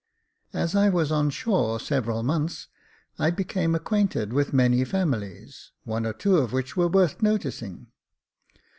As I was on shore several months, I became acquainted with many families, one or two of which were worth noticing.